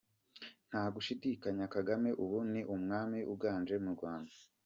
Ntagushidikanya Kagame ubu ni umwami uganje mu Rwanda.